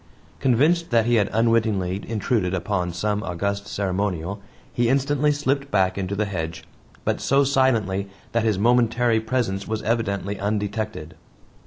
Convinced that he had unwittingly intruded upon some august ceremonial, he instantly slipped back into the hedge, but so silently that his momentary presence was evidently undetected.